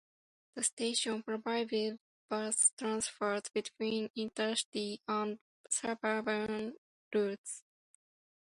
The station provided bus transfers between inter-city and suburban routes.